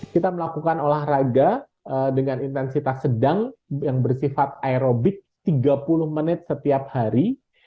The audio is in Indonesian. kita melakukan olahraga dengan intensitas sedang yang bersifat aerobik tiga puluh menit setiap hari